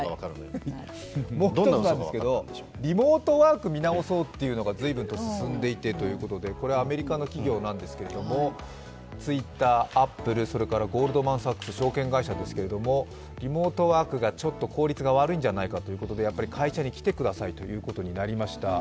もう１点なんですけれども、リモートワークを見直そうということが随分進んでいて、アメリカの企業なんですけれども、Ｔｗｉｔｔｅｒ、アップル、それからゴールドマン・サックス証券会社ですけれどもリモートワークがちょっと効率が悪いんじゃないかということでやっぱり会社に来てくださいということになりました。